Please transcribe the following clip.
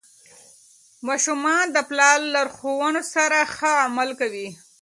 ماشومان د پلار لارښوونو سره ښه عمل کوي.